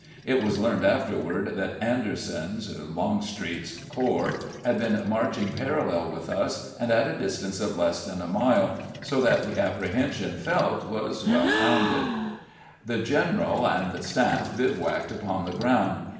It was learned afterward that Anderson's (Longstreet's) corps had been marching parallel with us, and at a distance of less than a mile, so that the apprehension felt was well founded. 82 CAMPAIGNING WITH GKANT The general and staff bivouacked upon tlie ground.